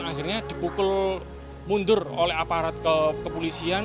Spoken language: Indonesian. akhirnya dipukul mundur oleh aparat kepolisian